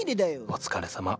お疲れさま。